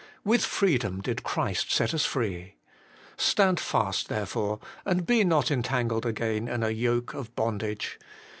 ' With freedom did Christ set us free ! Stand fast therefore, and be not entangled again in a yoke of bondage.'